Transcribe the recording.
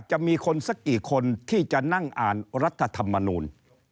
จะมีคนสักกี่คนที่จะนั่งอ่านรัฐธรรมนูล